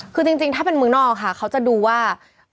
คือจริงถ้าเป็นเมืองนอกค่ะเขาจะดูว่า